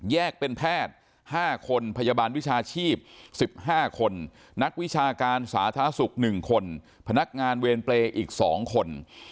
แยกเป็นแพทย์๕คนพยาบาลวิชาชีพ๑๕คนนักวิชาการสาธารณสุข๑คนพนักงานเวรเปรย์อีก๒คน